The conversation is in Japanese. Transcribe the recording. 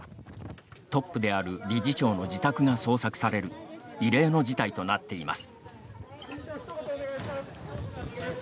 トップである理事長の自宅が捜索される異例の事態となっています。